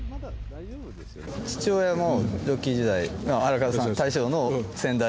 父親もジョッキー時代荒川さん大将の先代。